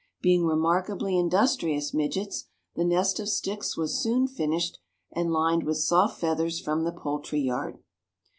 Being remarkably industrious midgets, the nest of sticks was soon finished and lined with soft feathers from the poultry yard.